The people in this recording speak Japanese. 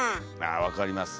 あ分かります。